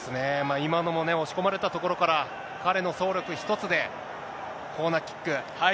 今のもね、押し込まれたところから、彼の走力一つで、コーナーキック。